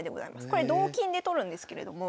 これ同金で取るんですけれども。